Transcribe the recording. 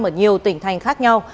ở nhiều tỉnh thành khác nhau